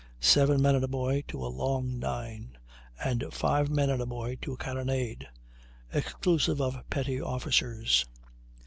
seven men and a boy to a long 9. and five men and a boy to a carronade, exclusive of petty officers.